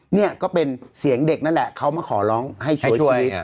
เนี่ยก็เป็นเสียงเด็กนั่นแหละเขามาขอร้องให้ช่วยชีวิต